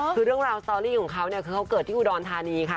คือเรื่องราวสตอรี่ของเขาเนี่ยคือเขาเกิดที่อุดรธานีค่ะ